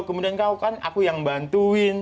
kemudian kau kan aku yang bantuin